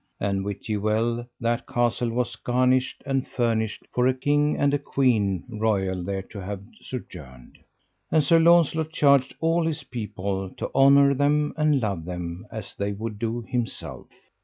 And wit ye well that castle was garnished and furnished for a king and a queen royal there to have sojourned. And Sir Launcelot charged all his people to honour them and love them as they would do himself.